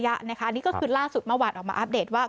อันนี้ก็คือล่าสุดเมื่อวานออกมาอัปเดตว่า